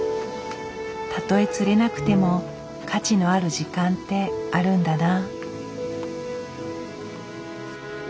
たとえ釣れなくても価値のある時間ってあるんだな。